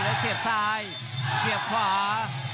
แล้วเสียบซ้ายเสียบขวา